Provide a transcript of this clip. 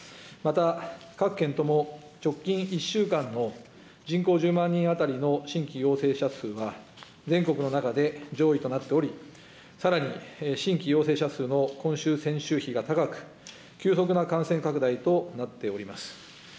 また各県とも、直近１週間の人口１０万人当たりの新規陽性者数は全国の中で上位となっており、さらに、新規陽性者数の今週、先週比が高く、急速な感染拡大となっております。